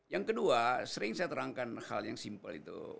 yang kedua sering saya terangkan hal yang simpel itu